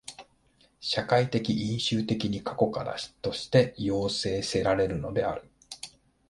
社会的因襲的に過去からとして要請せられるのである。